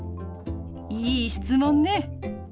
いい質問ね。